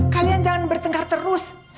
kalian jangan bertengkar terus